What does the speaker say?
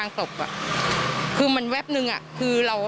เธอขนลุกเลยนะคะเสียงอะไรอีกเสียงอะไรบางอย่างกับเธอแน่นอนค่ะ